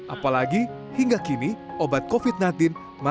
apalagi hingga kini obat covid sembilan belas masih belum ditemukan